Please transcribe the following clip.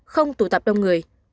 năm không tụ tập đông người